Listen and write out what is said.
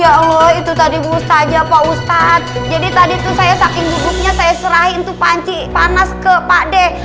ya allah itu tadi bu ustaja pak ustadz jadi tadi tuh saya saking bukunya saya serahin tuh panci panas ke pak de